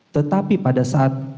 tetapi pada saat